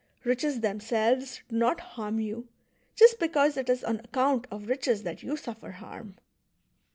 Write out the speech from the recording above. Riches themselves do not harm you, just because it is on account of riches that you suffer harm."